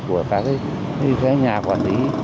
của các cái nhà quản lý